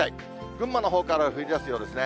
群馬のほうから降りだすようですね。